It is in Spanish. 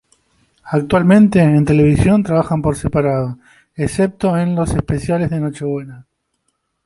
Actualmente, en televisión, trabajan por separado, excepto en los especiales de Nochebuena.